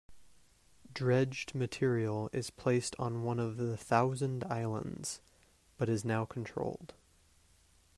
Dredged material is placed on one of the Thousand Islands, but is now controlled.